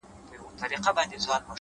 هوښیار انسان د اورېدو مهارت لري؛